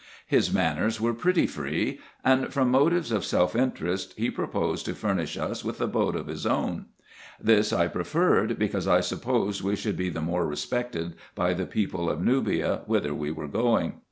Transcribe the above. His manners were pretty free ; and, from motives of self interest, he proposed to furnish us with a boat of his own. This I preferred, because I supposed we should be the more respected by the people of Nubia, whither we were going.